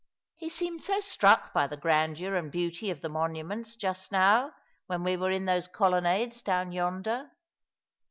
He seemed so struck by the grandeur and beauty of the monuments, just now, when we were in those colon nades down yonder."